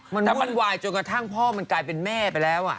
แล้วมันวายจนกระทั่งพ่อมันกลายเป็นแม่ไปแล้ว